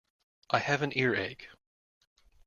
I have an earache